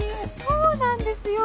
そうなんですよ！